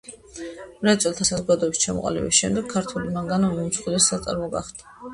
მრეწველთა საზოგადოების ჩამოყალიბების შემდეგ, ქართული მანგანუმი უმსხვილესი საწარმო გახდა.